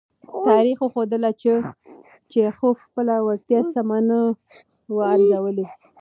تاریخ وښودله چې چیخوف خپله وړتیا سمه نه وه ارزولې.